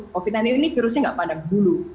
covid sembilan belas ini virusnya nggak pandang bulu